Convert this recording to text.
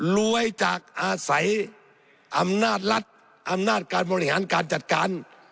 รวยจากอาศัยอำนาจรัฐอำนาจการบริหารการจัดการ